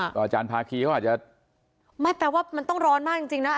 ก็อาจารย์ภาคีเขาอาจจะไม่แปลว่ามันต้องร้อนมากจริงจริงนะ